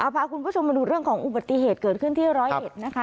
พาคุณผู้ชมมาดูเรื่องของอุบัติเหตุเกิดขึ้นที่ร้อยเอ็ดนะคะ